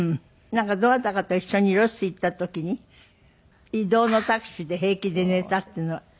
なんかどなたかと一緒にロス行った時に移動のタクシーで平気で寝たっていうのはあなた？